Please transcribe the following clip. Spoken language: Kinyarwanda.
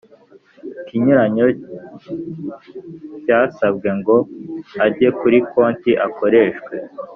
Ikinyuranyo cy ayasabwe ngo ajye kuri konti akoreshwe